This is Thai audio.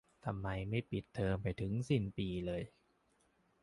ทำไมไม่ปิดเทอมไปถึงสิ้นปีเลย